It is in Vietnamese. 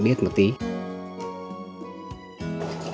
xếp một đoàn luôn